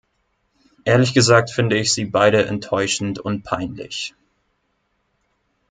Ehrlich gesagt, finde ich sie beide enttäuschend und peinlich.